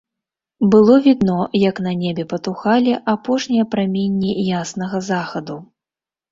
Было відно, як на небе патухалі апошнія праменні яснага захаду.